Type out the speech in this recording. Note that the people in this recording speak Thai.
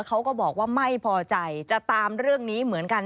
เขาก็บอกว่าไม่พอใจจะตามเรื่องนี้เหมือนกัน